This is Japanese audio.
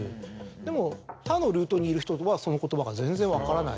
でも他のルートにいる人ではその言葉が全然分からない。